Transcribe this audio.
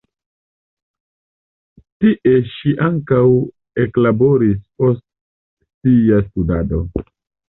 Tie ŝi ankaŭ eklaboris post sia studado.